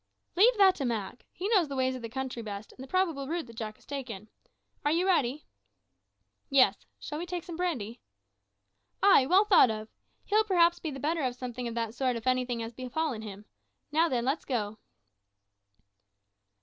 "Leave that to Mak. He knows the ways o' the country best, and the probable route that Jack has taken. Are you ready?" "Yes. Shall we take some brandy?" "Ay; well thought of. He'll perhaps be the better of something of that sort if anything has befallen him. Now, then, let's go."